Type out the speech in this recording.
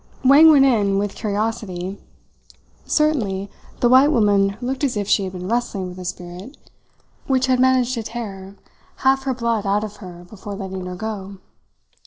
Wang went in with curiosity. Certainly, the white woman looked as if she had been wrestling with a spirit which had managed to tear half her blood out of her before letting her go.